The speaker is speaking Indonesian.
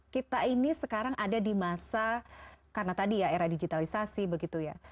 kita ini sekarang ada di masa karena tadi ya era digitalisasi begitu ya